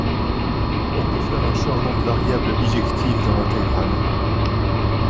on peut faire un changement de variables bijectif dans l'intégrale